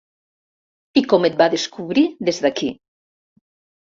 I com et va descobrir, des d’aquí ?